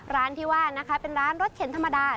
ร้านที่ว่านะคะเป็นร้านรถเข็นธรรมดา